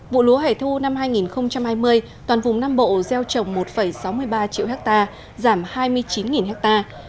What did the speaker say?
vụ lúa hẻ thu năm hai nghìn hai mươi toàn vùng nam bộ gieo trồng một sáu mươi ba triệu hectare giảm hai mươi chín hectare